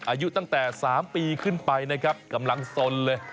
อายุตั้งแต่๓ปีขึ้นไปนะครับกำลังสนเลย